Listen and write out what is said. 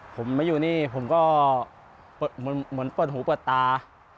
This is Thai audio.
ผมมาอยู่นี่ผมก็เหมือนเปิดหูเปิดตา